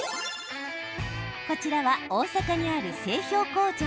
こちらは大阪にある製氷工場。